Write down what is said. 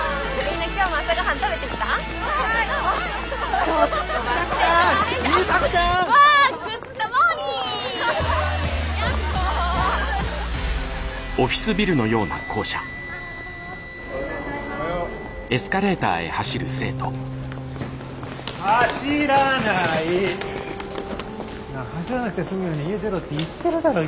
なあ走らなくて済むように家出ろって言ってるだろ髪の毛。